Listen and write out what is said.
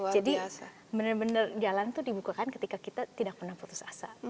jadi benar benar jalan itu dibukakan ketika kita tidak pernah putus asa